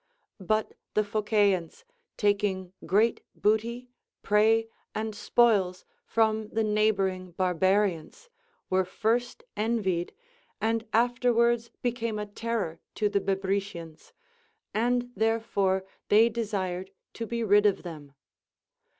But the Phocaeans taking great booty, prey, and spoils from the neighboring barbarians, Avere first envied, and afterwards became a terror to the Bebrycians ; and therefore they de CONCERNING THE VIRTUES OF WOMEN. 367 sired to be rid of them.